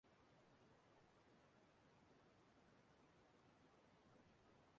ọ bụrụ na nwoke nwụọ n'ezinụlọ